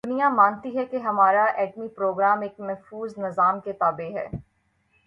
دنیا مانتی ہے کہ ہمارا ایٹمی پروگرام ایک محفوظ نظام کے تابع ہے۔